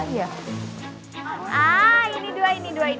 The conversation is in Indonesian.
ini dua ini dua ini dua